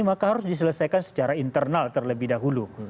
maka harus diselesaikan secara internal terlebih dahulu